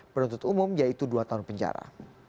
penuntut umum yaitu dua tahun penjara